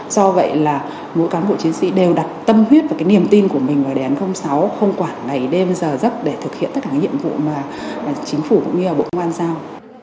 do vậy là mỗi cán bộ chiến sĩ đều đặt tâm huyết và cái niềm tin của mình vào đề án sáu không quản ngày đêm giờ giấc để thực hiện tất cả cái nhiệm vụ mà chính phủ cũng như bộ công an giao